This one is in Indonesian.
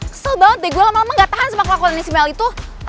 kesel banget deh gue lama dua gak tahan sama kelakuan si mel itu